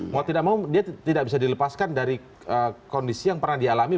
mau tidak mau dia tidak bisa dilepaskan dari kondisi yang pernah dialami